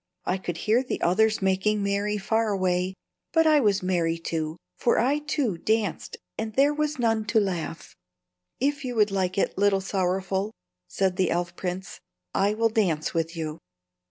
I could hear the others making merry far away, but I was merry, too; for I, too, danced, and there was none to laugh." "If you would like it, Little Sorrowful," said the elf prince, "I will dance with you."